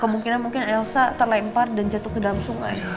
kemungkinan mungkin elsa terlempar dan jatuh ke dalam sungai